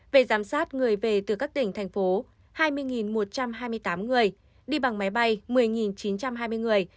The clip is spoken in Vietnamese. về giám sát người về từ các tỉnh thành phố hai mươi một trăm hai mươi tám người đi bằng máy bay một mươi chín trăm hai mươi người